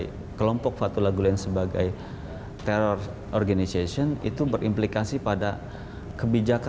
menjadi kelompok fatuna gulen sebagai perusahaan teror itu berimplikasi pada kebijakan